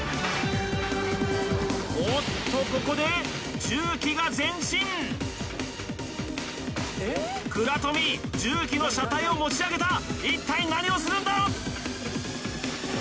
おっとここで重機が前進倉冨重機の車体を持ち上げた一体何をするんだ？